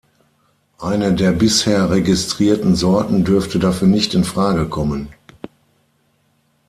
Eine der bisher registrierten Sorten dürfte dafür nicht in Frage kommen.